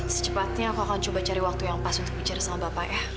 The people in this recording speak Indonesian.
secepatnya aku akan coba cari waktu yang pas untuk bicara sama bapak ya